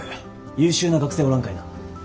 優秀な学生おらんかいな？